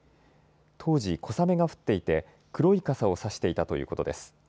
当時、小雨が降っていて黒い傘を差していたということです。